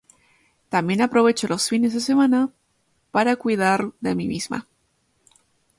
También aprovecho los fines de semana para cuidar de mí misma.